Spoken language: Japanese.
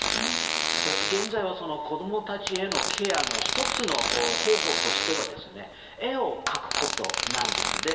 現在は子供たちへのケアの１つの方法としては絵を描くことなんです。